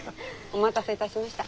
お待たせいたしました。